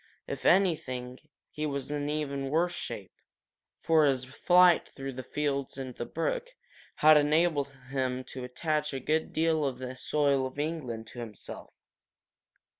If anything, he was in even worse shape, for his flight through the fields and the brook had enabled him to attach a good deal of the soil of England to himself.